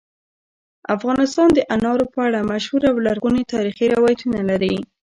افغانستان د انارو په اړه مشهور او لرغوني تاریخی روایتونه لري.